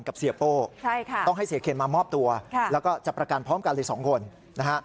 เสียโป้ต้องให้เสียเคนมามอบตัวแล้วก็จะประกันพร้อมกันเลยสองคนนะฮะ